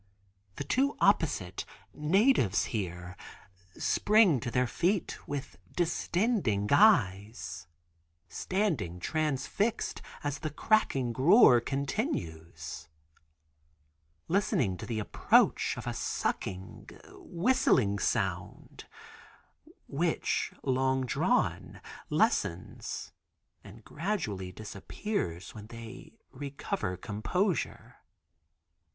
The two opposite, natives here, spring to their feet with distending eyes, standing transfixed as the cracking roar continues, listening to the approach of a sucking, whistling sound, which long drawn, lessens and gradually disappears when they recover composure.